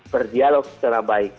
berdialog secara baik